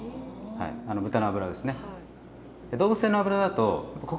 豚の脂ですね。